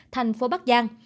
tp bắc giang